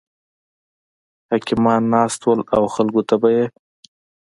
حکیمان ناست وو او خلکو ته به یې